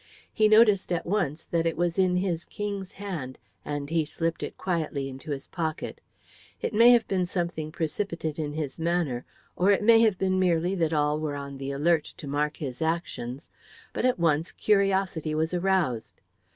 He noticed at once that it was in his King's hand, and he slipped it quickly into his pocket. It may have been something precipitate in his manner, or it may have been merely that all were on the alert to mark his actions, but at once curiosity was aroused.